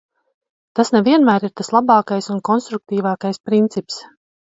Tas ne vienmēr ir tas labākais un konstruktīvākais princips.